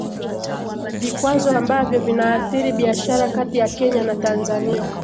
Vikwazo ambavyo vinaathiri biashara kati ya Kenya na Tanzania